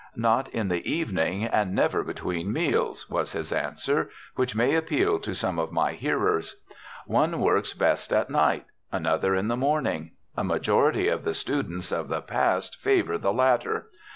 "Not in the evening, and never between meals!" was his answer, which may appeal to some of my hearers. One works best at night; another, in the morning; a majority of the students of the past favor the latter.